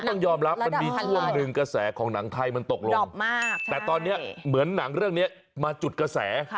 ต้องยอมรับมันมีช่วงหนึ่งกระแสของหนังไทยมันตกลงมากแต่ตอนนี้เหมือนหนังเรื่องนี้มาจุดกระแส